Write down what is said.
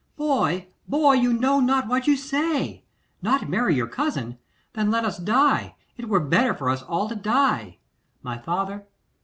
'Boy, boy! you know not what you say. Not marry your cousin! Then let us die. It were better for us all to die.' 'My father!